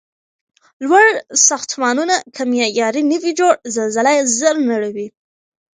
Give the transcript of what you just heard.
لوړ ساختمونه که معیاري نه وي جوړ، زلزله یې زر نړوي.